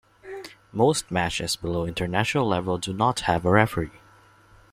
Most matches below international level do not have a referee.